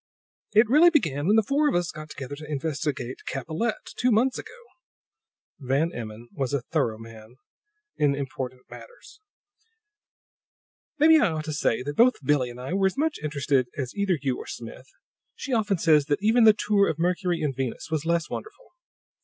"It really began when the four of us got together to investigate Capellette, two months ago." Van Emmon was a thorough man in important matters. "Maybe I ought to say that both Billie and I were as much interested as either you or Smith; she often says that even the tour of Mercury and Venus was less wonderful.